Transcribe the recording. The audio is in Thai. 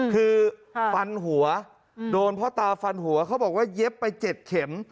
คือฟันหัวโดนพ่อตาฟันหัวเขาบอกว่าเย็บไป๗เข็ม